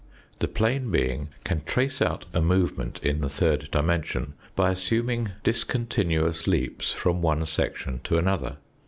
The plane being can trace out a movement in the third dimension by assuming discontinuous leaps from one section to another.